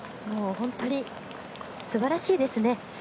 本当にすばらしいですね。